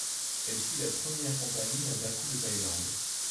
Elle fut la première compagnie à bas coûts de Thaïlande.